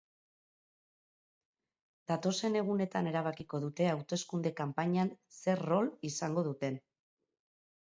Datozen egunetan erabakiko dute hauteskunde kanpainan zer rol izango duten.